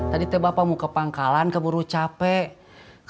tadi teh bapak mau ke pangkalan keburu capek